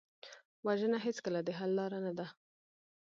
وژنه هېڅکله د حل لاره نه ده